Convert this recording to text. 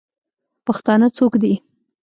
پښتانه څوک دئ؟